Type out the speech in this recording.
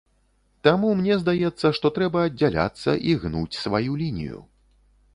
Таму мне здаецца, што трэба аддзяляцца і гнуць сваю лінію.